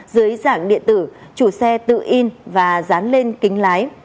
dưới dạng điện tử chủ xe tự in và dán lên kính lái